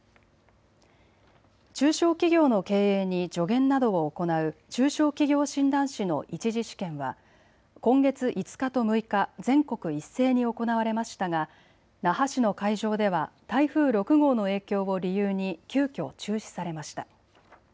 中小企業の経営に助言などを行う中小企業診断士の１次試験は今月５日と６日、全国一斉に行われましたが那覇市の会場では台風６号の影響を理由に急きょ中止されました。